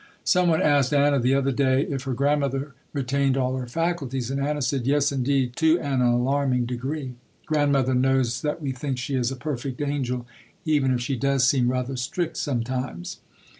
Some one asked Anna the other day if her Grandmother retained all her faculties and Anna said, "Yes, indeed, to an alarming degree." Grandmother knows that we think she is a perfect angel even if she does seem rather strict sometimes.